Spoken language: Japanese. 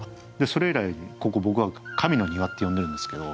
それ以来ここ僕は「神の庭」って呼んでるんですけど。